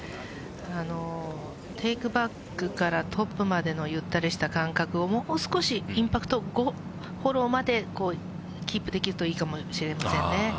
テイクバックからトップまでのゆったりした感覚を、もう少しインパクト後、フォローまでキープできるといいかもしれませんね。